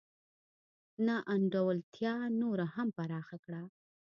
نا انډولتیا نوره هم پراخه کړه.